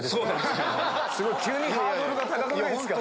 急にハードルが高くないですか？